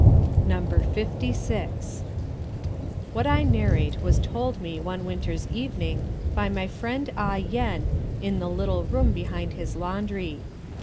Number Fifty Six What I narrate was told me one winter's evening by my friend Ah Yen in the little room behind his laundry.